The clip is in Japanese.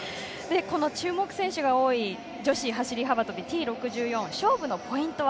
注目選手が多い女子走り幅跳びＴ６４の勝負のポイントは。